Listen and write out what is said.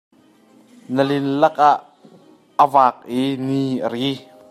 Nilin lakah a vak i ni a ri.